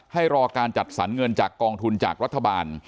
ให้รอการจัดสรรเงินจากกองทุนจากรัฐบาล